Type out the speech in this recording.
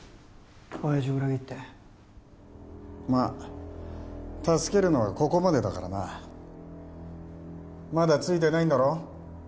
親爺を裏切ってまあ助けるのはここまでだからなまだついてないんだろ？